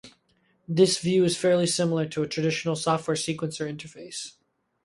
This view is fairly similar to a traditional software sequencer interface.